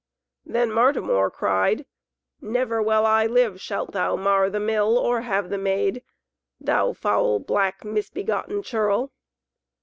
Then Martimor cried, "Never while I live shalt thou mar the Mill or have the Maid, thou foul, black, misbegotten churl!"